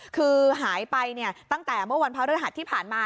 คือหายไปตั้งแต่เมื่อวันพระฤหัสที่ผ่านมา